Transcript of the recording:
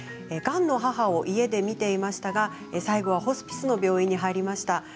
がんの母を家でみていましたが最後はホスピスの病院に入りました。